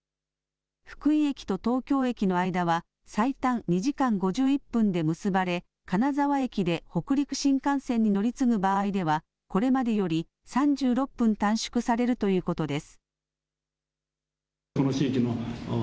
福井駅と東京駅の間は、最短２時間５１分で結ばれ、金沢駅で北陸新幹線に乗り継ぐ場合では、これまでより３６分短縮されるということです。